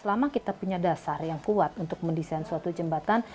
selama kita punya dasar yang kuat untuk mendesain suatu jembatan